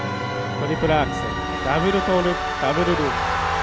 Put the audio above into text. トリプルアクセルダブルトウループダブルループ。